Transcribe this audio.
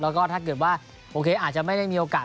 แล้วก็ถ้าเกิดว่าโอเคอาจจะไม่ได้มีโอกาส